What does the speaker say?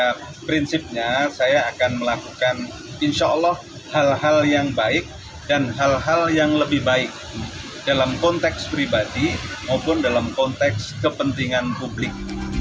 pada prinsipnya saya akan melakukan insya allah hal hal yang baik dan hal hal yang lebih baik dalam konteks pribadi maupun dalam konteks kepentingan publik